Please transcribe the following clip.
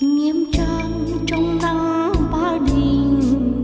nghiêm trang trong nắng ba đình